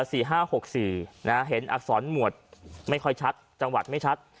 สี่ห้าหกสี่นะฮะเห็นอักษรหมวดไม่ค่อยชัดจังหวัดไม่ชัด